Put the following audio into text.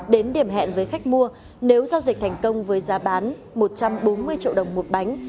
đến điểm hẹn với khách mua nếu giao dịch thành công với giá bán một trăm bốn mươi triệu đồng một bánh